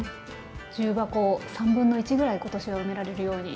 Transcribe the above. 重箱1/3ぐらい今年は埋められるように。